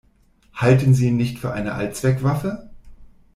Halten Sie ihn nicht für eine Allzweckwaffe.